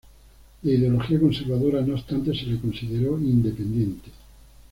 De ideología conservadora, no obstante, se le consideró independiente.